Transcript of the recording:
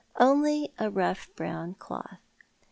Only a rough brown cloth.